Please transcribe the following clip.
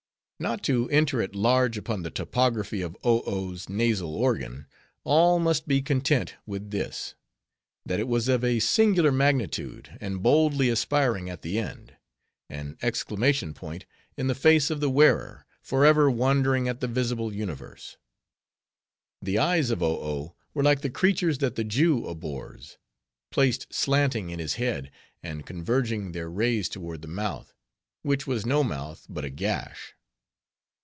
Not to enter at large upon the topography of Oh Oh's nasal organ, all must be content with this; that it was of a singular magnitude, and boldly aspiring at the end; an exclamation point in the face of the wearer, forever wondering at the visible universe. The eyes of Oh Oh were like the creature's that the Jew abhors: placed slanting in his head, and converging their rays toward the mouth; which was no Mouth, but a gash.